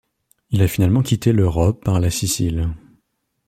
Il a finalement quitté l'Europe par la Sicile.